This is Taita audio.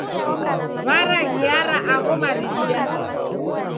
Waraghiara agho maridia.